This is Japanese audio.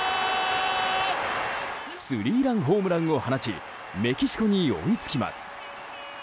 スリーランホームランを放ちメキシコに追いつきます。